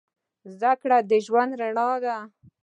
زدهکړه د ژوند رڼا ده